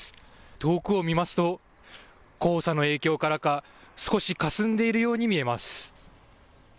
遠くを見ますと黄砂の影響からか少しかすんでいるように見えます。